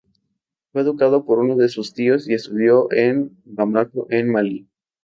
Fue educado por uno de sus tíos y estudió en Bamako en Malí.